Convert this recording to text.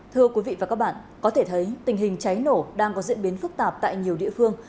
thưa quý vị và các bạn có thể thấy tình hình cháy nổ đang có diễn biến phức tạp tại nhiều địa phương